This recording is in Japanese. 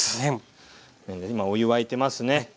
今お湯沸いてますね。